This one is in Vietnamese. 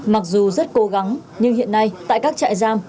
mặc dù rất cố gắng nhưng hiện nay tại các trại giam